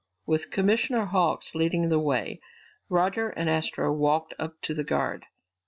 With Commissioner Hawks leading the way, Roger and Astro walked up to the guard.